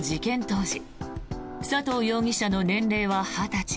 当時佐藤容疑者の年齢は２０歳。